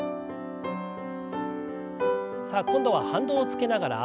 さあ今度は反動をつけながら。